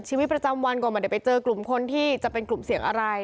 ชีวิตประจำวันก็ไม่ได้ไปเจอกลุ่มคนที่จะเป็นกลุ่มเสี่ยงอะไร